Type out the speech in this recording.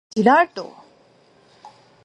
macilal tu.